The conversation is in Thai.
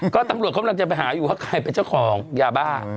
ก็ตำรวจกำลังจะไปหาอยู่ว่าใครเป็นเจ้าของยาบ้า